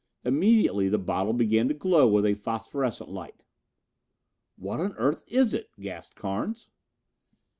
Immediately the bottle began to glow with a phosphorescent light. "What on earth is it?" gasped Carnes.